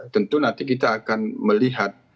tentu nanti kita akan melihat